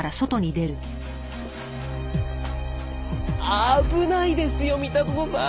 危ないですよ三田園さん。